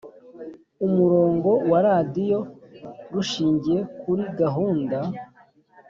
umurongo wa radiyo rushingiye kuri gahunda